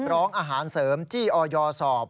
ร้องอาหารเสริมจี้ออยสอบ